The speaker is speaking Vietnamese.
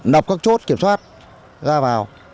nập các chốt kiểm soát ra vào